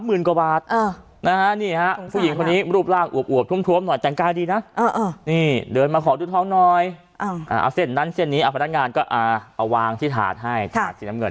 เอาเส้นนั้นเส้นนี้เอาพนักงานก็เอาวางที่ถาดให้ถาดสีน้ำเงิน